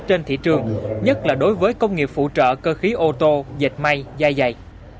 và thị trường nhất là đối với công nghiệp phụ trợ cơ khí ô tô dịch may dai dày